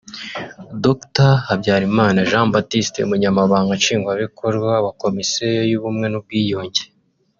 Dr Habyarimana Jean Baptiste Umunyamabanga Nshingwabikrwa wa Komisiyo y’ubumwe n’ubwiyunge